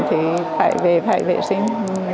thì phải về phải vệ sinh